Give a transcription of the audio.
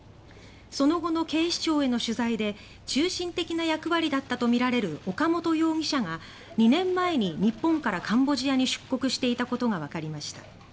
その後の警視庁への取材で中心的な役割だったとみられる岡本容疑者が２年前に日本からカンボジアに出国していたことがわかりました。